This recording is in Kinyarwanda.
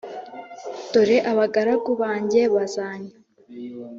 Dore abagaragu banjye bazanywa